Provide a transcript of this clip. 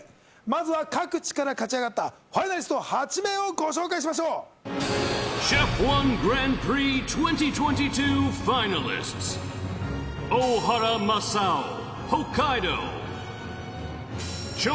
まずは各地から勝ち上がったファイナリスト８名をご紹介しましょう大原正雄